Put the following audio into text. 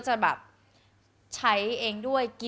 สวัสดีค่ะ